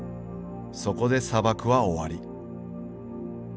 そこで砂漠は終わり。